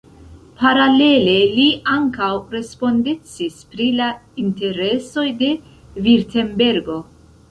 Paralele li ankaŭ respondecis pri la interesoj de Virtembergo.